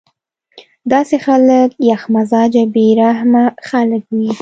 داسې خلک يخ مزاجه بې رحمه خلک وي